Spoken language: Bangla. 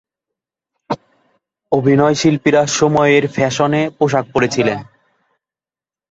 অভিনয়শিল্পীরা সময়ের ফ্যাশনে পোশাক পরেছিলেন।